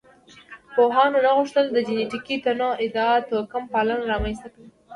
پوهانو نه غوښتل د جینټیکي تنوع ادعا توکمپالنه رامنځ ته کړي.